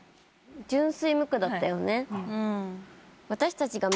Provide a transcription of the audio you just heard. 純粋無垢だったよね。